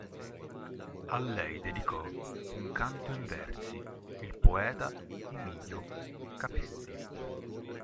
A lei dedicò un canto in versi il poeta Emidio Cappelli.